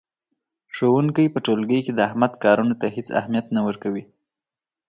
ښوونکی په ټولګي کې د احمد کارونو ته هېڅ اهمیت نه ورکوي.